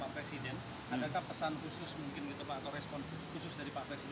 tadi saat menyampaikan hal ini ke pak presiden